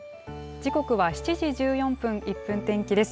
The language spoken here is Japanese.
時刻は７時１４分、１分天気です。